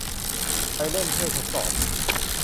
ไปเล่น - ช่วยทดสอบ